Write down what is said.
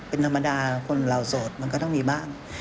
เป็นธรรมดาคนเราโสดมันก็ต้องมีบ้าง